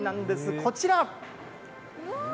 こちら。